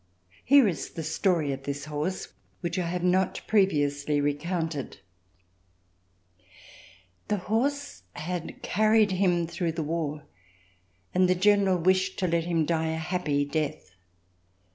Here is the story of this horse which I have not previously recounted: The horse had carried him through the war, and the General wished to let him die a happy death.